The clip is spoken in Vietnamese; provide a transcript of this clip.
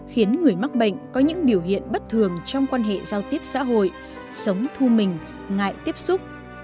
khiến người mắc bệnh có những biểu hiện bất thường trong quan hệ giao tiếp xã hội sống thu mình ngại tiếp xúc